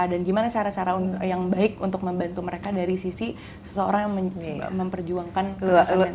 dan gimana cara cara yang baik untuk membantu mereka dari sisi seseorang yang memperjuangkan kesehatan mental